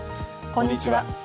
こんにちは。